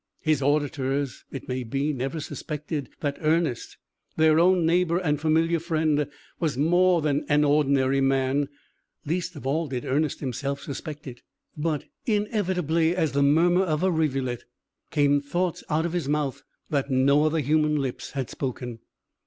His auditors, it may be, never suspected that Ernest, their own neighbour and familiar friend, was more than an ordinary man; least of all did Ernest himself suspect it; but, inevitably as the murmur of a rivulet, came thoughts out of his mouth that no other human lips had spoken.